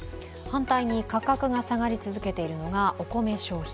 反対に価格が下がり続けているのが、お米商品。